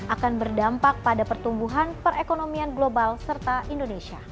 akan berdampak pada pertumbuhan perekonomian